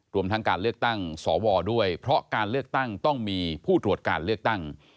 รวมทั้งการเลือกตั้งสวด้วยเพราะการเลือกตั้งต้องมีผู้ตรวจการเลือกตั้ง